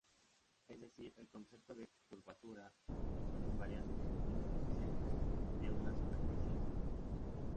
Es decir, el concepto de curvatura es un invariante intrínseco de una superficie.